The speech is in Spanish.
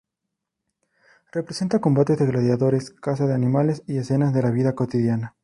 Representa combates de gladiadores, caza de animales y escenas de la vida cotidiana.